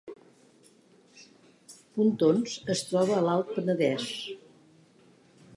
Pontons es troba a l’Alt Penedès